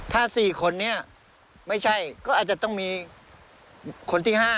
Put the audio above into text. ถ้า๔คนนี้ไม่ใช่ก็อาจจะต้องมีคนที่๕